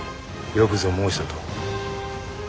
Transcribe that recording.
よくぞ申したと。